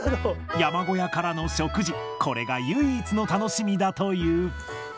山小屋からの食事、これが唯一の楽しみだという。